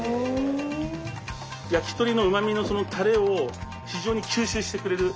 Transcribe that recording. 焼き鳥のうまみのそのたれを非常に吸収してくれる。